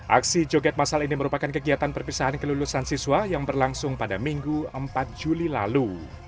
aksi joget masal ini merupakan kegiatan perpisahan kelulusan siswa yang berlangsung pada minggu empat juli lalu